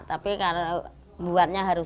tapi kalau buatnya harus